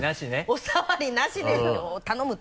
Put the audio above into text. お触りなしで頼むと。